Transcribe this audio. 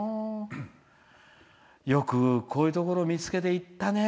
よく、こういうところを見つけて行ったね。